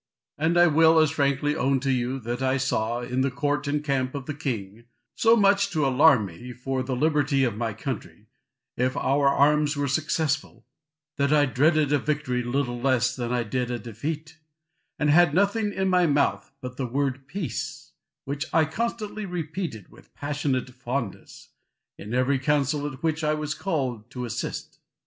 Lord Falkland. And I will as frankly own to you that I saw, in the court and camp of the king, so much to alarm me for the liberty of my country, if our arms were successful, that I dreaded a victory little less than I did a defeat, and had nothing in my mouth but the word peace, which I constantly repeated with passionate fondness, in every council at which I was called to assist.